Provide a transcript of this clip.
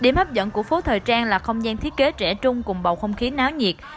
điểm hấp dẫn của phố thời trang là không gian thiết kế trẻ trung cùng bầu không khí náo nhiệt